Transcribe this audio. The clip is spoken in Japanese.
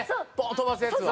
飛ばすやつは。